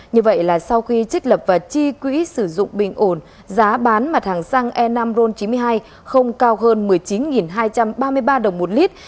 như vậy là sau khi trích lập và chi quỹ sử dụng bình ổn giá bán mặt hàng xăng e năm ron chín mươi hai không cao hơn một mươi chín hai trăm ba mươi ba đồng một lít